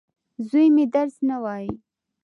زوی مي درس نه وايي.